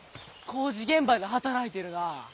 工事現場で働いてるな。